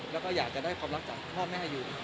แล้วก็อยากจะได้ความรักจากพ่อแม่อยู่